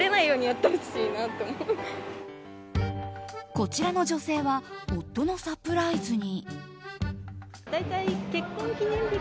こちらの女性は夫のサプライズに。